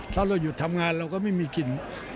ถ้าเราหยุดทำงานเราก็ไม่มีกิน